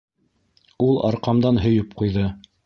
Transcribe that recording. - Ул арҡамдан һөйөп ҡуйҙы.